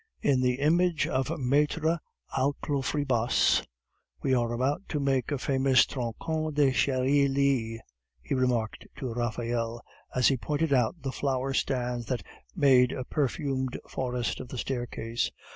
"In the language of Maitre Alcofribas, we are about to make a famous troncon de chiere lie," he remarked to Raphael as he pointed out the flower stands that made a perfumed forest of the staircase.